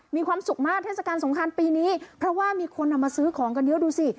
มีความสุขมากเทศกาลสงครานปีนี้เพราะว่ามีคนเอามาซื้อของกันเยอะดูสิ